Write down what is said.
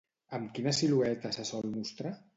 Amb quina silueta se sol mostrar?